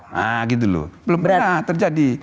nah gitu loh belum pernah terjadi